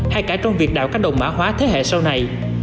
hay cả trong việc đảo các đồng mã hóa thế hệ sau này